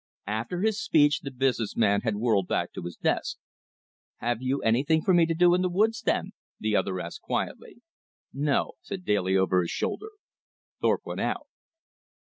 After his speech the business man had whirled back to his desk. "Have you anything for me to do in the woods, then?" the other asked quietly. "No," said Daly over his shoulder. Thorpe went out.